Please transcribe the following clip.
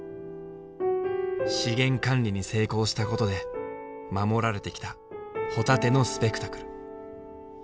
資源管理に成功したことで守られてきたホタテのスペクタクル。